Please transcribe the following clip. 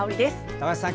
高橋さん